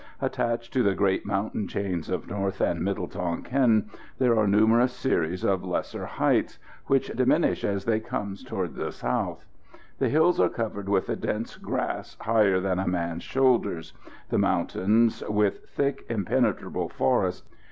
Attached to the great mountain chains of north and middle Tonquin, there are numerous series of lesser heights, which diminish as they come towards the south. The hills are covered with a dense grass higher than a man's shoulders; the mountains with thick, impenetrable forests.